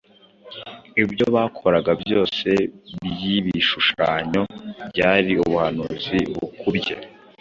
Ibyo bakoraga byose by’ibishushanyo byari ubuhanuzi bukubye